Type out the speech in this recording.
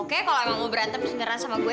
oke kalau emang lo berantem segera sama gue